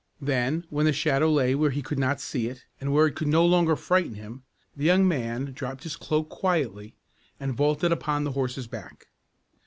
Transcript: Then, when the shadow lay where he could not see it, and where it could no longer frighten him, the young man dropped his cloak quietly, and vaulted upon the horse's back.